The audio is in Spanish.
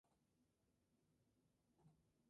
Primer grado.